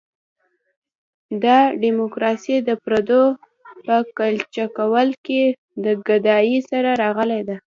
دا ډیموکراسي د پردو په کچکول کې له ګدایۍ سره راغلې ده.